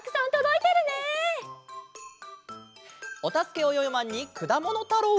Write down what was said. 「おたすけ！およよマン」に「くだものたろう」。